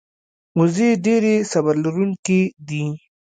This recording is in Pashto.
وزې ډېرې صبر لرونکې دي